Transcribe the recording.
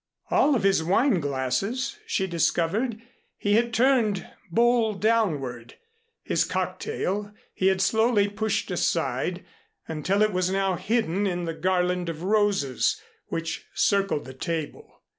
All of his wine glasses she discovered he had turned bowl downward. His cocktail he had slowly pushed aside until it was now hidden in the garland of roses which circled the table.